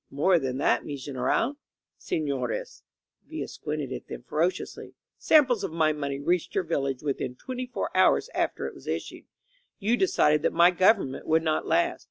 *^More than that, mi General. Sefiores," Villa squinted at them ferociously, "sam ples of my money reached your village within twenty four hours after it was issued. You decided that my government would not last.